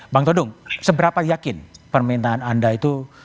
bang todung seberapa yakin permintaan anda itu